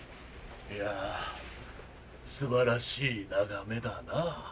いや素晴らしい眺めだなぁ。